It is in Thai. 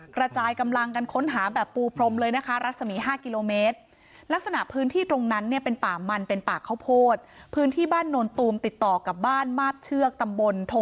กระจายกำลังกันค้นหาแบบปูพรมเลยนะคะรัศมี๕กิโลเมตร